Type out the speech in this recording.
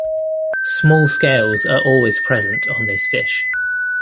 Small scales are always present on this fish.